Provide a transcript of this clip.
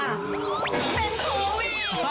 เป็นโควิด